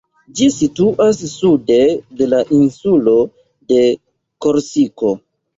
Ĝi situas sude de la insulo de Korsiko.